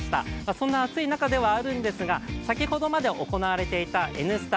そんな暑い中ではあるんですが、先ほどまで行われていたＮスタ